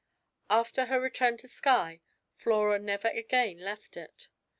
After her return to Skye, Flora never again left it.